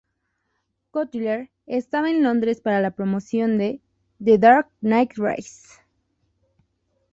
Cotillard estaba en Londres para la promoción de "The Dark Knight Rises".